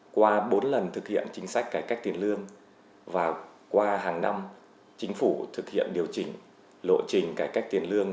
qua bốn lần thực hiện chính sách cải cách tiền lương và qua hàng năm chính phủ thực hiện điều chỉnh lộ trình cải cách tiền lương